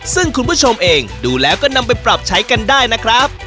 ซึ่งคุณผู้ชมเองดูแล้วก็นำไปปรับใช้กันได้นะครับ